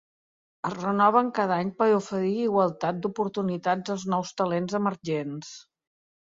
Es renoven cada any per oferir igualtat d’oportunitats als nous talents emergents.